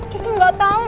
kiki gak tau